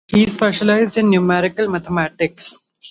He specialized in numerical mathematics.